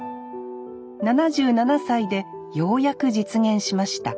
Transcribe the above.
７７歳でようやく実現しました。